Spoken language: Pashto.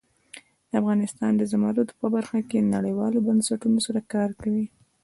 افغانستان د زمرد په برخه کې نړیوالو بنسټونو سره کار کوي.